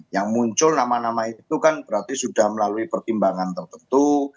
yang muncul nama nama itu kan berarti sudah melalui pertimbangan tertentu